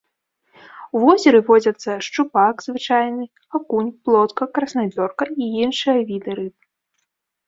У возеры водзяцца шчупак звычайны, акунь, плотка, краснапёрка і іншыя віды рыб.